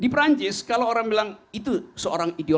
di perancis kalau orang bilang itu seorang ideologi